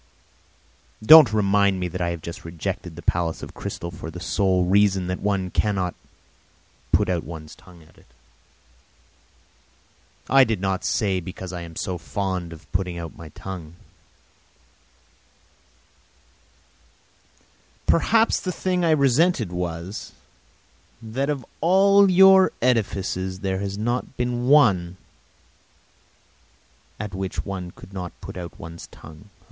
Don't remind me that I have just rejected the palace of crystal for the sole reason that one cannot put out one's tongue at it. I did not say because I am so fond of putting my tongue out. Perhaps the thing I resented was, that of all your edifices there has not been one at which one could not put out one's tongue.